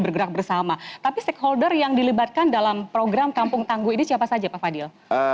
bergerak bersama tapi stakeholder yang dilibatkan dalam program kampung tangguh ini siapa saja pak fadil